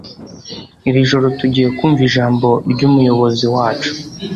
Iri joro tugiye kumva ijambo ryumuyobozi wacu